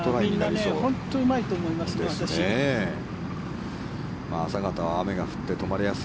みんな本当にうまいと思います。